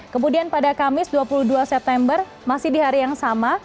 kemudian pada kamis dua puluh dua september masih di hari yang sama